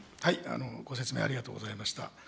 ご説明ありがとうございました。